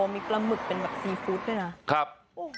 มีปลาหมึกเป็นแบบซีฟู้ดด้วยนะ